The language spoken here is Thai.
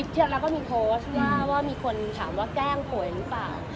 อ่ามีเทียบแล้วก็มีโทสท์ว่ามีคนถามว่าแก้งป่วยหรือเปล่า